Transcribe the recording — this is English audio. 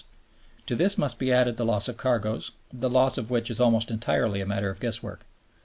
To this must be added the loss of cargoes, the value of which is almost entirely a matter of guesswork.